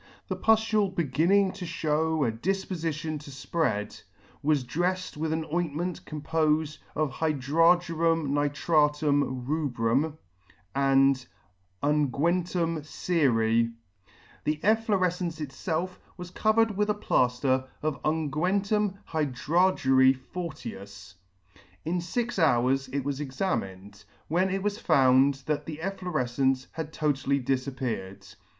The pufiule beginning to fhew a dif pofition to fpread, was drefled with an ointment compofed of hydrarg. nit. rub. & ung. cerce. The efflorefcence itfelf was covered with a plafter of ung. hydr. fort. — In fix hours it was examined, when it was found that the efflorefcence had totally difappeared.